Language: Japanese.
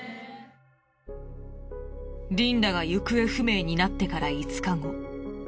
リンダが行方不明になってから５日後。